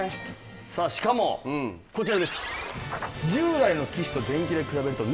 さあしかもこちらです。